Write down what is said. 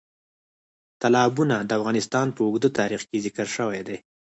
تالابونه د افغانستان په اوږده تاریخ کې ذکر شوی دی.